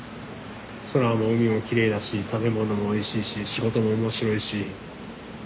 空も海もきれいだし食べ物もおいしいし仕事も面白いし。